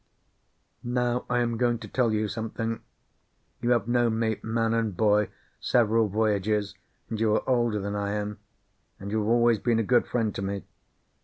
Now I am going to tell you something. You have known me, man and boy, several voyages; and you are older than I am; and you have always been a good friend to me.